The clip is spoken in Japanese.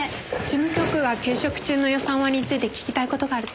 事務局が休職中の予算割について聞きたい事があると。